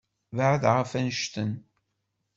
Beεεed ɣef annect-en.